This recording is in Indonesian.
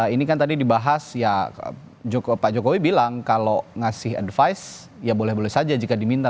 ini kan tadi dibahas ya pak jokowi bilang kalau ngasih advice ya boleh boleh saja jika diminta